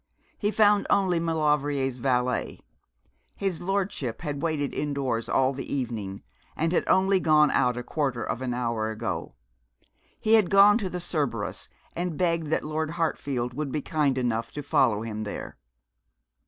He found only Maulevrier's valet. His lordship had waited indoors all the evening, and had only gone out a quarter of an hour ago. He had gone to the Cerberus, and begged that Lord Hartfield would be kind enough to follow him there.